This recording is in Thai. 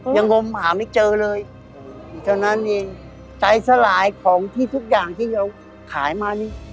งมหาไม่เจอเลยเท่านั้นเองใจสลายของที่ทุกอย่างที่เราขายมานี่